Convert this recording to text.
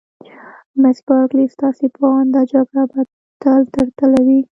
مس بارکلي: ستاسي په اند دا جګړه به تل تر تله وي؟